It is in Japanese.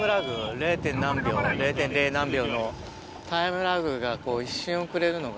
０．何秒０．０何秒のタイムラグが一瞬遅れるのが。